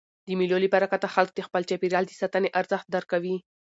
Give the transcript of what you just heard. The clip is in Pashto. د مېلو له برکته خلک د خپل چاپېریال د ساتني ارزښت درکوي.